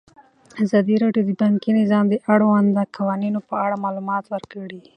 ازادي راډیو د بانکي نظام د اړونده قوانینو په اړه معلومات ورکړي.